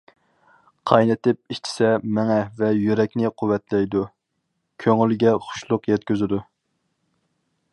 قاينىتىپ ئىچسە، مېڭە ۋە يۈرەكنى قۇۋۋەتلەيدۇ، كۆڭۈلگە خۇشلۇق يەتكۈزىدۇ.